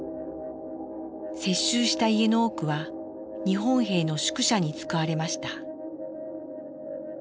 接収した家の多くは日本兵の宿舎に使われました。